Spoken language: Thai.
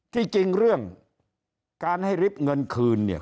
จริงเรื่องการให้ริบเงินคืนเนี่ย